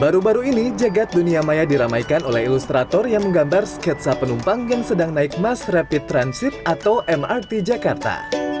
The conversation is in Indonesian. baru baru ini jagad dunia maya diramaikan oleh ilustrator yang menggambar sketsa penumpang yang sedang naik mass rapid transit atau mrt jakarta